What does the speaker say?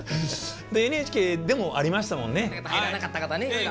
ＮＨＫでもありましたもんね。